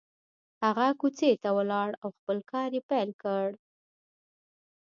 هغه کوڅې ته ولاړ او خپل کار يې پيل کړ.